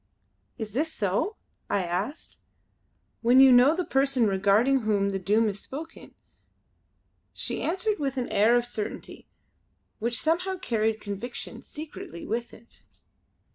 "Is this so?" I asked "when you know the person regarding whom the Doom is spoken." She answered with an air of certainty which somehow carried conviction, secretly, with it.